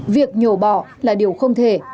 việc nhổ bỏ là điều không thể